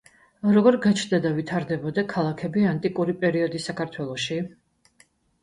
როგორ გაჩნდა და ვითარდებოდა ქალაქები ანტიკური პერიოდის საქართველოში?